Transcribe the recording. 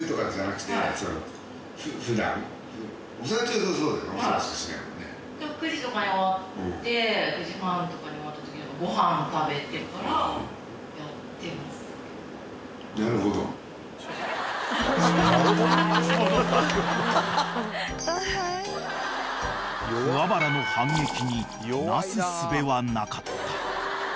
［桑原の反撃になすすべはなかった］